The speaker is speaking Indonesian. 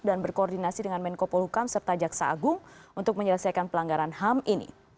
dan berkoordinasi dengan menko polhukam serta jaksa agung untuk menyelesaikan pelanggaran ham ini